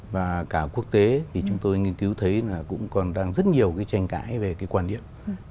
và cả quốc tế thì chúng tôi nghiên cứu thấy là cũng còn đang rất nhiều cái tranh cãi về cái quan điểm